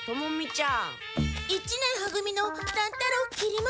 一年は組の乱太郎きり丸。